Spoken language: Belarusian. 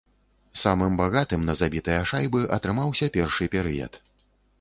Самым багатым на забітыя шайбы атрымаўся першы перыяд.